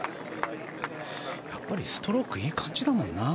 やっぱりストロークいい感じだもんな。